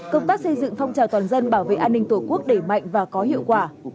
công tác xây dựng phong trào toàn dân bảo vệ an ninh tổ quốc đẩy mạnh và có hiệu quả